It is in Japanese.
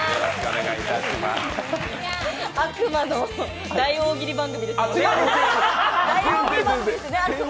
悪魔の大、大喜利番組ですよね